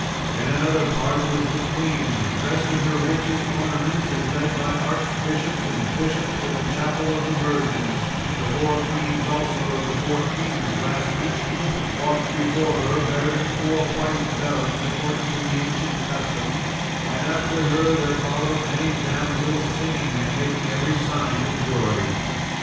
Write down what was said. In another part, was the queen dressed in her richest ornaments, and led by archbishops and bishops to the Chapel of the Virgins, the four queens also of the four kings last mentioned walked before her, bearing four white doves, according to ancient custom; and after her there followed many damsels, singing and making every sign of joy.